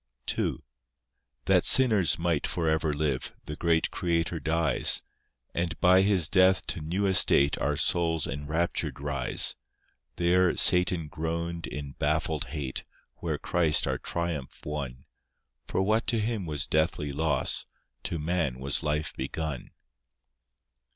II That sinners might for ever live, The great Creator dies, And by His death to new estate Our souls enraptured rise. There, Satan groaned in baffled hate, Where Christ our triumph won— For what to Him was deathly loss, To man was life begun.